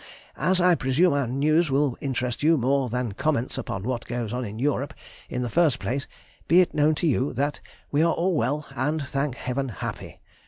As I presume our news will interest you more than comments upon what goes on in Europe, in the first place be it known to you, that we are all well and, thank Heaven, happy.